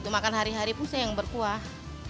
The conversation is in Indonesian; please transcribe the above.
makan hari hari pun saya yang berkuah